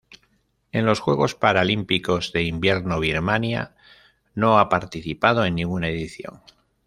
En los Juegos Paralímpicos de Invierno Birmania no ha participado en ninguna edición.